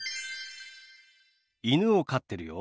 犬を飼ってるよ。